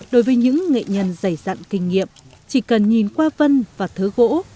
đối với những nghệ nhân dày dặn kinh nghiệm chỉ cần nhìn qua vân và thớ gỗ